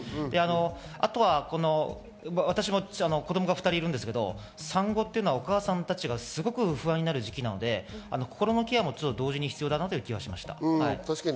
あとは私も子供が２人いるんですけど、産後というのはお母さんたちがすごく不安になる時期なので、心のケアも同時に必要だと思いました。